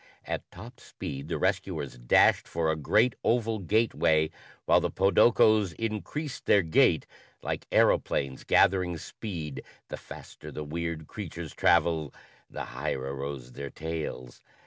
At top speed the rescuers dashed for a great, oval gateway while the podokos increased their gait; like aero planes gathering speed, the faster the weird creatures traveled, the higher arose their tails.